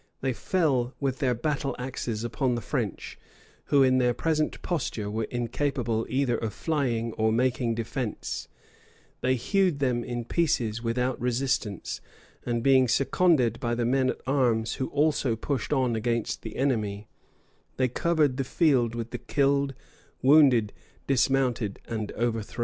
They fell with their battle axes upon the French, who, in their present posture, were incapable either of flying or of making defence: they hewed them in pieces without resistance:[*] and being seconded by the men at arms who also pushed on against the enemy, they covered the field with the killed, wounded, dismounted, and overthrown.